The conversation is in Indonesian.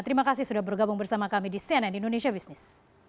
terima kasih sudah bergabung bersama kami di cnn indonesia business